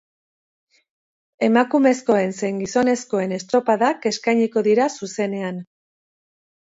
Emakumezkoen zein gizonezkoen estropadak eskainiko dira zuzenean.